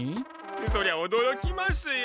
そりゃおどろきますよ。